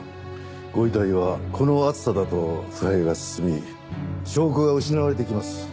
ご遺体はこの暑さだと腐敗が進み証拠が失われていきます。